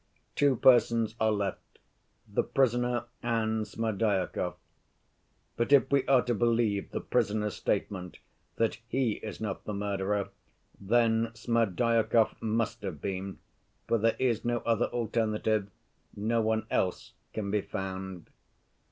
Two persons are left—the prisoner and Smerdyakov. But, if we are to believe the prisoner's statement that he is not the murderer, then Smerdyakov must have been, for there is no other alternative, no one else can be found.